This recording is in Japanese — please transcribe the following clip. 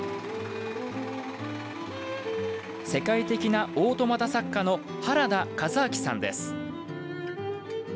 世界的なオートマタ作家の原田和明さんです。